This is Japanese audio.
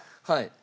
はい。